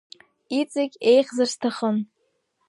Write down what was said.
Иҵегь еиӷьзар сҭахын.